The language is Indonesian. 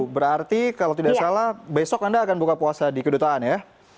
berarti kalau tidak salah besok anda akan buka puasa di kedutaan ya